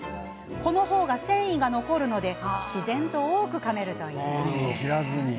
この方が繊維が残るので自然と多くかめるといいます。